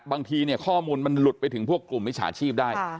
บางทีเนี่ยข้อมูลมันหลุดไปถึงพวกกลุ่มมิจฉาชีพได้